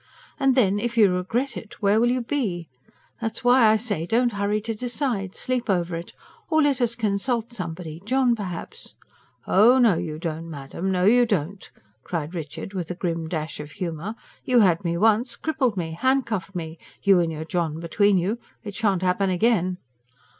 And then, if you regret it, where will you be? That's why I say don't hurry to decide. Sleep over it. Or let us consult somebody John perhaps " "No you don't, madam, no you don't!" cried Richard with a grim dash of humour. "You had me once ... crippled me ... handcuffed me you and your John between you! It shan't happen again."